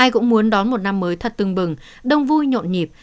ai cũng muốn đón một năm mới thật tưng bừng đông vui nhộn nhịp